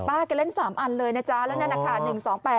แกเล่น๓อันเลยนะจ๊ะแล้วนั่นนะคะ